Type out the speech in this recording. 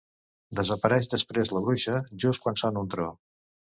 Desapareix després la bruixa, just quan sona un tro.